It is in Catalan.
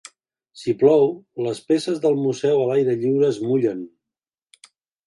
Si plou, les peces del museu a l'aire lliure es mullen.